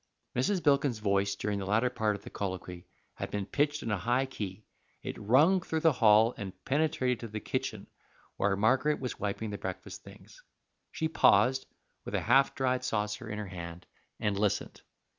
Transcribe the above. Mrs. Bilkin's voice during the latter part of the colloquy had been pitched in a high key; it rung through the hall and penetrated to the kitchen, where Margaret was wiping the breakfast things. She paused with a half dried saucer in her hand, and listened.